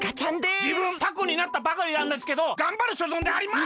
じぶんタコになったばかりなんですけどがんばるしょぞんであります！